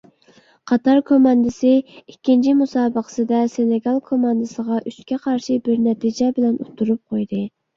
قاتار كوماندىسى ئىككىنچى مۇسابىقىسىدە سېنېگال كوماندىسىغا ئۈچكە قارشى بىر نەتىجە بىلەن ئۇتتۇرۇپ قويدى.